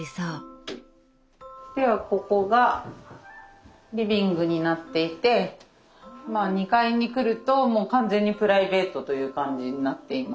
ではここがリビングになっていて２階に来るともう完全にプライベートという感じになっています。